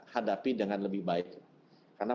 hadapi dengan lebih baik karena